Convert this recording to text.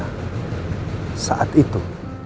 dan saat itu